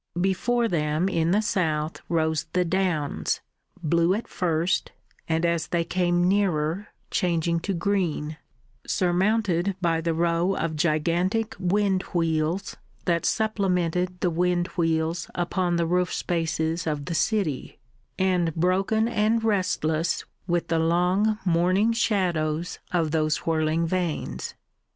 Before them in the south rose the Downs, blue at first, and as they came nearer changing to green, surmounted by the row of gigantic wind wheels that supplemented the wind wheels upon the roof spaces of the city, and broken and restless with the long morning shadows of those whirling vanes.